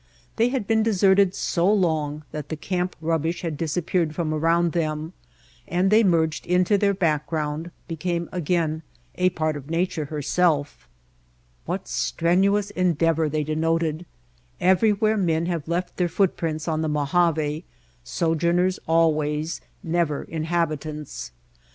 They had been deserted so long that the camp rubbish had disappeared from around them and they merged into their back ground, become again a part of Nature herself. Snowstorm and Sandstorm What strenuous endeavor they denoted I Everywhere men have left their footprints on the Mojave, sojourners always, never inhab itants.